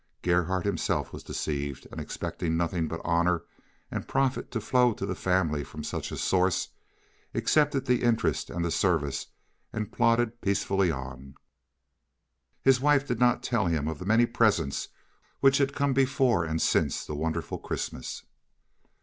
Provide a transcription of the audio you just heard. Gerhardt himself was deceived, and, expecting nothing but honor and profit to flow to the family from such a source, accepted the interest and the service, and plodded peacefully on. His wife did not tell him of the many presents which had come before and since the wonderful Christmas.